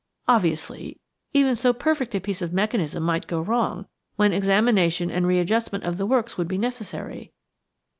Obviously, even so perfect a piece of mechanism might go wrong, when examination and re adjustment of the works would be necessary.